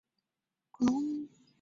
奇异龙是兰斯组的常见恐龙。